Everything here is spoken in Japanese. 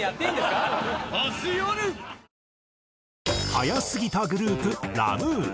早すぎたグループラ・ムー。